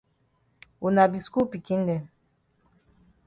Wuna be skul pikin dem.